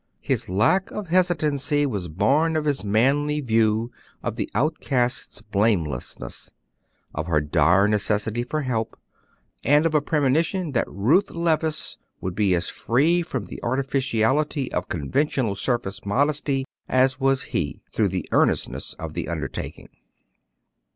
His lack of hesitancy was born of his manly view of the outcast's blamelessness, of her dire necessity for help, and of a premonition that Ruth Levice would be as free from the artificiality of conventional surface modesty as was he, through the earnestness of the undertaking.